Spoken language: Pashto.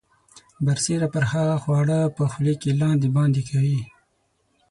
برسیره پر هغه خواړه په خولې کې لاندې باندې کوي.